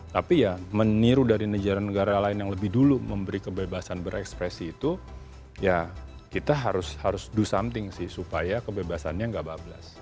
tapi ya meniru dari negara negara lain yang lebih dulu memberi kebebasan berekspresi itu ya kita harus do something sih supaya kebebasannya nggak bablas